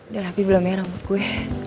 darapi belum ya rambut kue